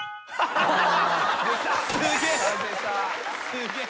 すげえ。